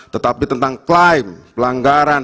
tetapi tentang klaim pelanggaran